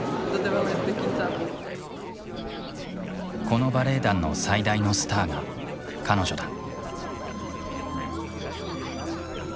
このバレエ団の最大のスターが彼女だ。